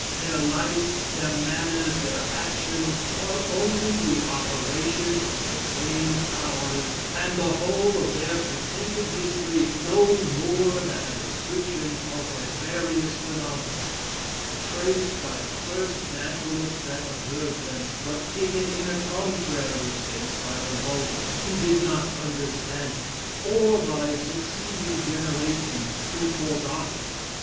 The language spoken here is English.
Their life, their manners, their actions, are only the operation of the same powers, and the whole of their pretended history no more than a description of their various phenomena, traced by the first naturalist that observed them, but taken in a contrary sense by the vulgar, who did not understand it, or by succeeding generations, who forgot it.